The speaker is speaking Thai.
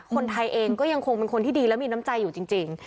คนไทยเองก็ยังคงเป็นคนที่ดีและมีน้ำใจอยู่จริง